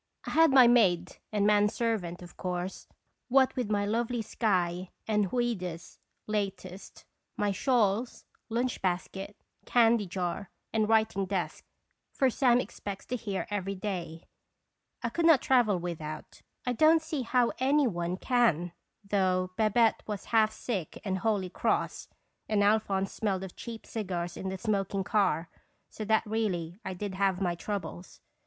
I had my maid and man servant, of course. What with my lovely Skye, and "Ouida's" latest, my shawls, lunch basket, candy jar, and writing desk (for Sam expects to hear every day), I could not travel without; I don't see how any one can, though Babette was half sick and wholly cross, and Alphonse smelled of cheap cigars in the smoking car ; so that really I did have my troubles.